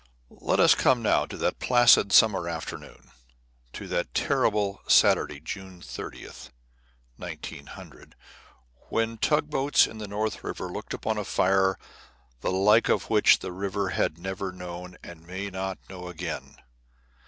Let us come now to that placid summer afternoon, to that terrible Saturday, June 30, 1900, when tug boats in the North River looked upon a fire the like of which the river had never known and may not know again.